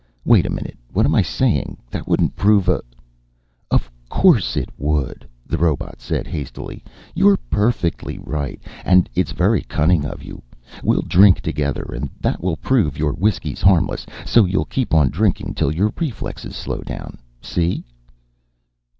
Wait a minute, what am I saying? That wouldn't prove a " "Of course it would," the robot said hastily. "You're perfectly right, and it's very cunning of you. We'll drink together, and that will prove your whiskey's harmless so you'll keep on drinking till your reflexes slow down, see?"